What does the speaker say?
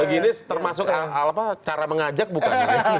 begini termasuk cara mengajak bukan